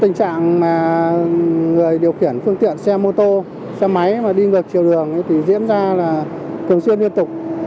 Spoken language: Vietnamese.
tình trạng mà người điều khiển phương tiện xe mô tô xe máy mà đi ngược chiều đường thì diễn ra là thường xuyên liên tục